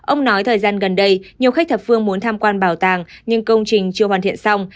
ông nói thời gian gần đây nhiều khách thập phương muốn tham quan bảo tàng nhưng công trình chưa hoàn thiện xong